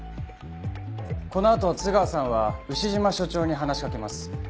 このあと津川さんは牛島署長に話しかけます。